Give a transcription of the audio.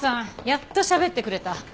やっとしゃべってくれた。